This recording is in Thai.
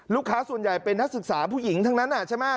ลูกค้าส่วนใหญ่เป็นนักศึกษาผู้หญิงทั้งนั้นใช่ไหม